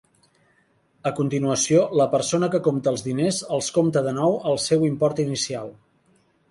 A continuació, la persona que compta els diners els compta de nou al seu import inicial.